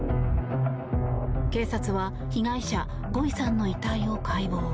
警察は被害者ゴイさんの遺体を解剖。